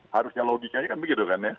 harusnya logisnya kan begitu kan ya